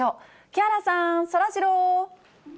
木原さん、そらジロー。